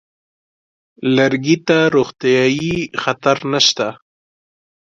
لرګي ته روغتیايي خطر نشته.